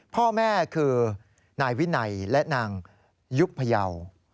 พ่อแม่คือนายวินัยและนางยุคพยาว